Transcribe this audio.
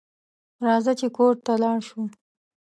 راځه چې کور ته لاړ شو